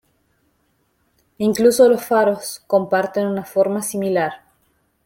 Incluso los faros comparten una forma similar.